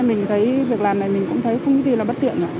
mình thấy việc làm này không có gì là bất tiện